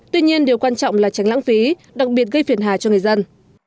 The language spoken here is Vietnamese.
tuy nhiên điều quan trọng là tránh lãng phí đặc biệt gây phiền hà cho người dân